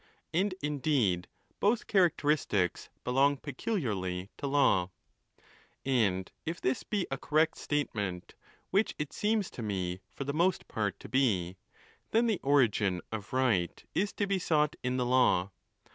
And, indeed, both characteristics mene 4 pearly to law. . _And if this be a correct statement, which it seems to me for the most part to be, then the origin of right is to be — ON THE LAWS. 407. sought in the law.